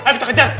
ayo kita kejar